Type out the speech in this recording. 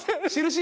印？